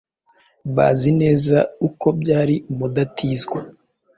bazi neza uko byari umudatizwa.